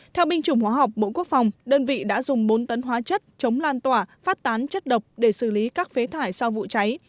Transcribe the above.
theo binh chủng hóa học bộ quốc phòng đơn vị đã dùng bốn tấn hóa chất chống lan tỏa phát tán chất độc để xử lý các phế thải sau vụ cháy